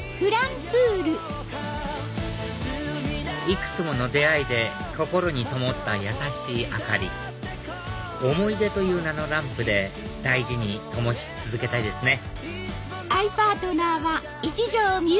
いくつもの出会いで心にともった優しい明かり思い出という名のランプで大事にともし続けたいですね